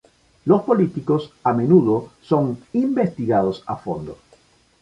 Los políticos a menudo son investigados a fondo.